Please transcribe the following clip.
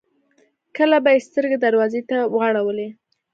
کله به يې سترګې دروازې ته واړولې.